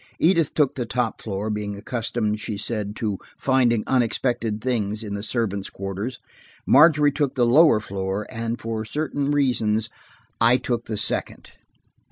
Edith took the top floor, being accustomed, she said, to finding unexpected things in the servants' quarters; Margery took the lower floor, and for certain reasons I took the second.